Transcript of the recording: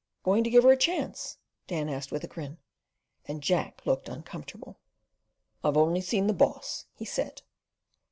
"Going to give her a chance?" Dan asked with a grin, and Jack looked uncomfortable. "I've only seen the boss," he said.